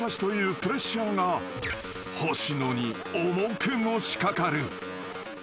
プレッシャーがほしのに重くのしかかる］